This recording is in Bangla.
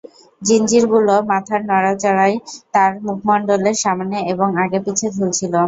জিঞ্জিরগুলো মাথার নড়াচড়ায় তাঁর মুখমণ্ডলের সামনে এবং আগে পিছে ঝুলছিল।